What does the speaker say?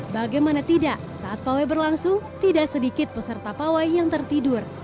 bagaimana tidak saat pawai berlangsung tidak sedikit peserta pawai yang tertidur